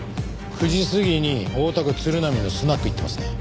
９時過ぎに大田区鶴波のスナック行ってますね。